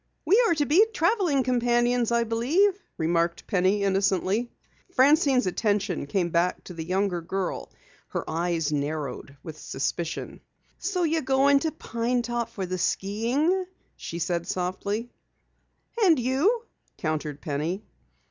"We are to be traveling companions, I believe," remarked Penny innocently. Francine's attention came back to the younger girl. Her eyes narrowed with suspicion. "So you're going out to Pine Top for the skiing," she said softly. "And you?" countered Penny.